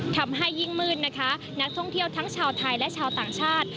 ทำให้ยิ่งมืดนะคะนักท่องเที่ยวทั้งชาวไทยและชาวต่างชาติ